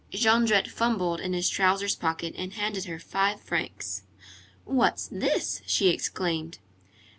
Jondrette fumbled in his trousers pocket and handed her five francs. "What's this?" she exclaimed.